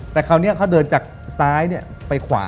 แต่คราวนี้เขาเดินจากซ้ายไปขวา